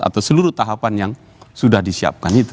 atau seluruh tahapan yang sudah disiapkan itu